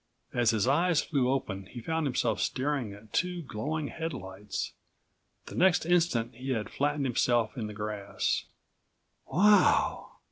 As his eyes flew open, he found himself staring at two glowing headlights. The next instant he had flattened himself in the grass. "Wow!